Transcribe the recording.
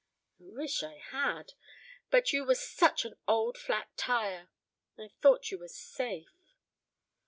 I wish I had! But you were such an old flat tyre I thought you were safe."